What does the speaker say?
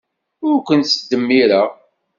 Ur kent-ttdemmireɣ.